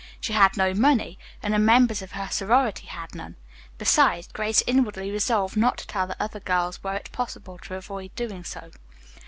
She had no money, and the members of her sorority had none. Besides, Grace inwardly resolved not to tell the other girls were it possible to avoid doing so.